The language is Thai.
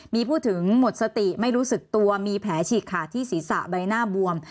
มีพูดถึงหมดสติไม่รู้สึกตัวมีแผลฉีกขาดที่ศีรษะใบหน้าบวม